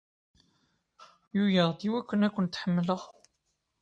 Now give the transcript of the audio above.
Luleɣ-d i wakken ad kent-ḥemmleɣ.